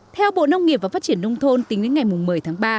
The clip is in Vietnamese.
theo bộ nông nghiệp và phát triển nông thôn tính đến ngày một mươi tháng ba